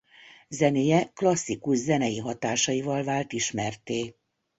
Zenéje klasszikus zenei hatásaival vált ismertté.